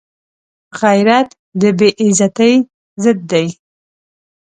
غیرت د بې عزتۍ ضد دی